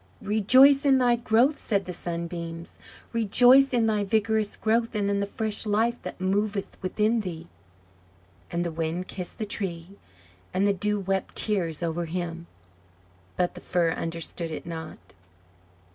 "Rejoice in thy growth!" said the Sunbeams, "rejoice in thy vigorous growth, and in the fresh life that moveth within thee!" And the Wind kissed the Tree, and the Dew wept tears over him; but the Fir understood it not.